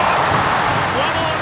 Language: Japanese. フォアボール！